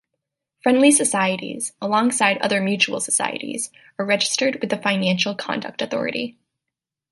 Friendly societies, alongside other mutual societies, are registered with the Financial Conduct Authority.